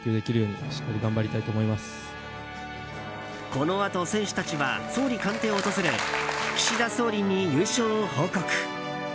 このあと、選手たちは総理官邸を訪れ岸田総理に優勝を報告。